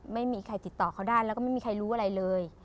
ไม่มีใครติดต่อเขาได้แล้วก็ไม่มีใครรู้อะไรเลย